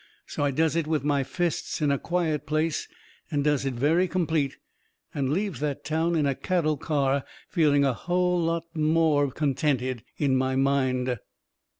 So I does it with my fists in a quiet place, and does it very complete, and leaves that town in a cattle car, feeling a hull lot more contented in my mind.